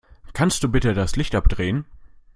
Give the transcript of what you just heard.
Kannst du bitte das Licht abdrehen?